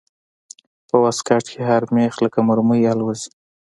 په واسکټ کښې هر مېخ لکه مرمۍ الوزي.